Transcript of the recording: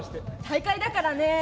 大会だからね。